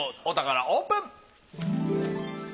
お宝オープン。